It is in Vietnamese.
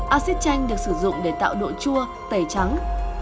acid chanh được sử dụng để tạo độ chua tẩy trắng